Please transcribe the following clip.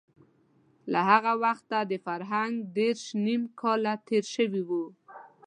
له هغه وخته د فرهنګ دېرش نيم کاله تېر شوي دي.